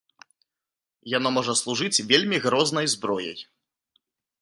Яно можа служыць вельмі грознай зброяй.